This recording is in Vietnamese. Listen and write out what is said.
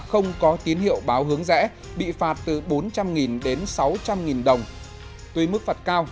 không có tiến hiệu báo hướng rẽ bị phạt từ bốn trăm linh đến sáu trăm linh đồng tuy mức phạt cao